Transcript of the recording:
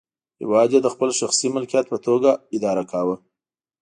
هېواد یې د خپل شخصي ملکیت په توګه اداره کاوه.